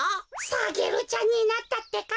サゲルちゃんになったってか。